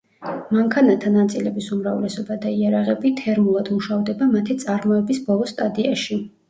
მანქანათა ნაწილების უმრავლესობა და იარაღები თერმულად მუშავდება მათი წარმოების ბოლო სტადიაში.